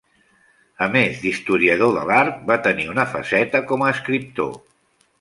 A més d'historiador de l'art, va tenir una faceta com a escriptor.